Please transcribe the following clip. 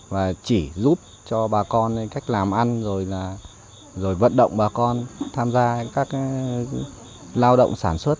và chỉ giúp cho bà con cách làm ăn rồi là rồi vận động bà con tham gia các lao động sản xuất